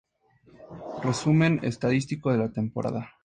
Resumen estadístico de la temporada.